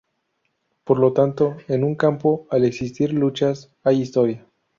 Por lo tanto en un campo, al existir luchas, hay historia.